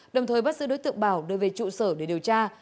đồng thời bắt giữ đối tượng bảo đưa về trụ sở để điều tra